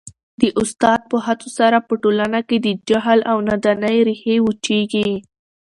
د استاد په هڅو سره په ټولنه کي د جهل او نادانۍ ریښې وچیږي.